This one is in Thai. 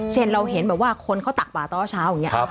เช่นเราเห็นแบบว่าคนเขาตักบาตอนเช้าอย่างนี้